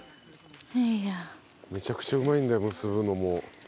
めちゃくちゃうまいんだ結ぶのも。